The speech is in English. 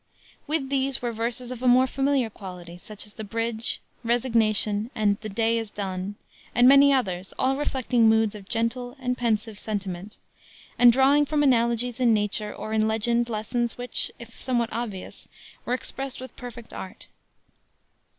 With these were verses of a more familiar quality, such as the Bridge, Resignation, and the Day Is Done, and many others, all reflecting moods of gentle and pensive sentiment, and drawing from analogies in nature or in legend lessons which, if somewhat obvious, were expressed with perfect art.